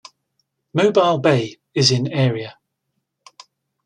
Mobile Bay is in area.